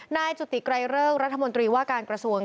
น่าให้จุติไกลเรื่องรัฐมนตรีว่าการกระทรวง